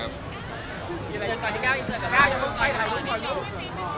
ปีใหม่แล้วครับ